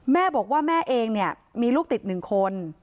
แม่บอกว่าแม่เองเนี่ยมีลูกติด๑คน